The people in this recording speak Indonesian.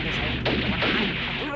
aduh ampun ampun